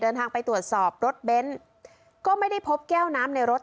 เดินทางไปตรวจสอบรถเบนท์ก็ไม่ได้พบแก้วน้ำในรถ